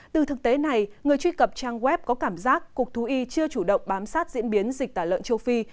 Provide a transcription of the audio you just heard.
từ thực tế này người truy cập trang web có cảm giác cục thú y chưa chủ động bám sát diễn biến dịch tả lợn châu phi